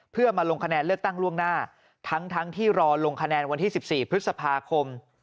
เพื่อมาลงคะแนนเลือกตั้งล่วงหน้าทั้งที่รอลงคะแนนวันที่๑๔พฤษภาคม